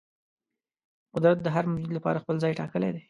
قدرت د هر موجود لپاره خپل ځای ټاکلی دی.